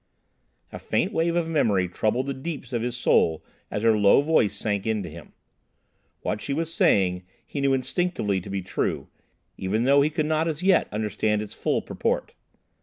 A faint wave of memory troubled the deeps of his soul as her low voice sank into him. What she was saying he knew instinctively to be true, even though he could not as yet understand its full purport.